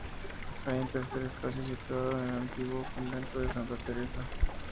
Hay un tercer espacio situado en el antiguo convento de Santa Teresa.